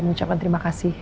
mengucapkan terima kasih